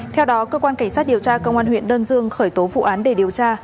theo đó cơ quan cảnh sát điều tra công an huyện đơn dương khởi tố vụ án để điều tra